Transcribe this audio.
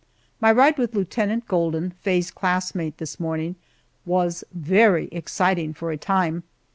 My ride with Lieutenant Golden, Faye's classmate, this morning was very exciting for a time.